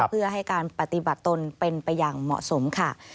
เพื่อให้การปฏิบัติตนเป็นไปอย่างเหมาะสมค่ะ